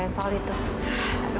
pantes gitu di aku